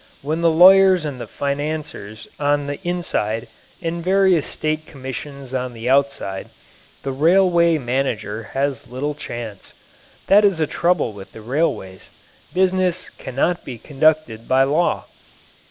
With the lawyers and the financiers on the inside and various state commissions on the outside, the railway manager has little chance. That is the trouble with the railways. Business cannot be conducted by law.